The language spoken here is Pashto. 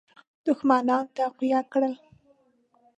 دښمنان تقویه کړل.